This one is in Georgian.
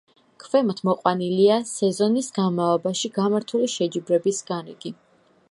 ქვემოთ მოყვანილია სეზონის განმავლობაში გამართული შეჯიბრების განრიგი.